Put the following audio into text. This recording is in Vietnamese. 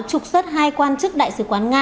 trục xuất hai quan chức đại sứ quán nga